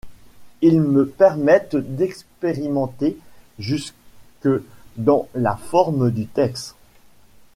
Ils me permettent d’expérimenter jusque dans la forme du texte.